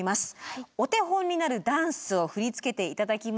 お手本になるダンスを振り付けていただきました。